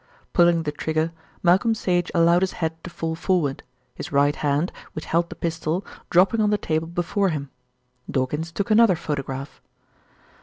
Pulling the trigger, Malcolm Sage allowed his head to fall forward, his right hand, which held the pistol, dropping on the table before him. Dawkins took another photograph.